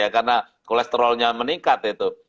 karena kolesterolnya meningkat